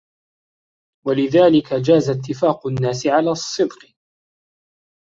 وَلِذَلِكَ جَازَ اتِّفَاقُ النَّاسِ عَلَى الصِّدْقِ